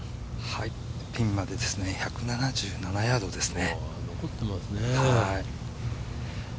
ピンまで１７７ヤ−ドですね。